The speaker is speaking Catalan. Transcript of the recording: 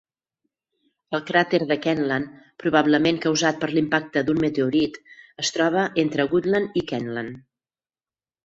El cràter de Kentland, probablement causat per l'impacte d'un meteorit, es troba entre Goodland i Kentland.